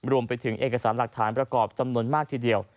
รวมไปถึงเอกสารหลักฐานประกอบจำนวนมากทีเดียว